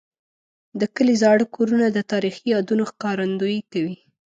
د کلي زاړه کورونه د تاریخي یادونو ښکارندوي کوي.